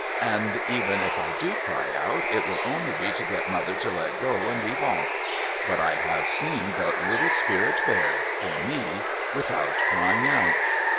And even if I do cry out, it will only be to get mother to let go and leave off.' What I have seen the little spirit bear — for me — without crying out